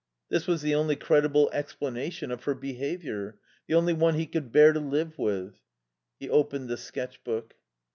This was the only credible explanation of her behaviour, the only one he could bear to live with. He opened the sketch book.